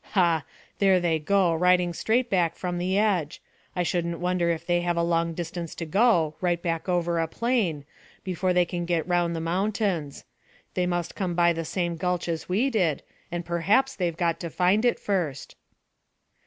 Hah! There they go, riding straight back from the edge. I shouldn't wonder if they have a long distance to go, right back over a plain, before they can get round the mountains. They must come by the same gulch as we did, and perhaps they've got to find it first."